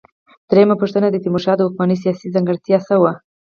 درېمه پوښتنه: د تیمورشاه د واکمنۍ سیاسي ځانګړتیا څه وه؟